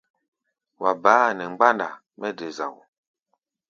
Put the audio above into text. Wa baá a nɛ mgbánda mɛ́ de zao.